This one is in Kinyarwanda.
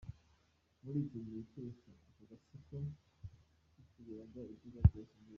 Muri icyo gihe cyose ako gatsiko kikubiraga ibyiza byose by’igihugu.